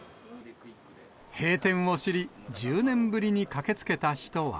閉店を知り、１０年ぶりに駆けつけた人は。